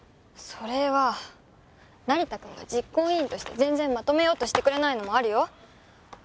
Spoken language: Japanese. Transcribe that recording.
それは成田くんが実行委員として全然まとめようとしてくれないのもあるよ